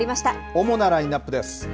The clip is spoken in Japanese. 主なラインナップです。